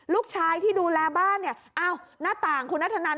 ลูกชายที่ดูแลบ้านเนี่ยอ้าวหน้าต่างคุณนัทธนัน